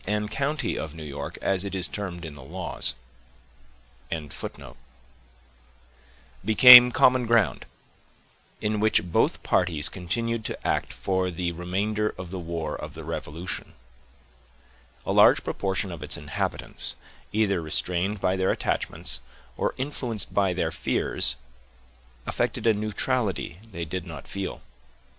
The county of Westchester, after the British had obtained possession of the island of New York, became common ground, in which both parties continued to act for the remainder of the war of the Revolution. A large proportion of its inhabitants, either restrained by their attachments, or influenced by their fears, affected a neutrality they did not feel.